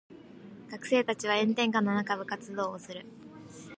学生たちは炎天下の中部活動をする。